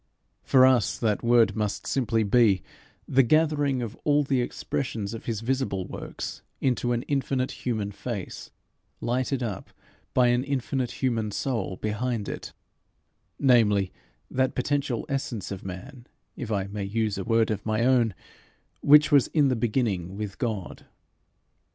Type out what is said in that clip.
For us, that word must simply be the gathering of all the expressions of his visible works into an infinite human face, lighted up by an infinite human soul behind it, namely, that potential essence of man, if I may use a word of my own, which was in the beginning with God.